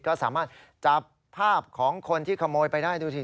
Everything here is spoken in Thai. ก็สามารถจับภาพของคนที่ขโมยไปได้ดูสิ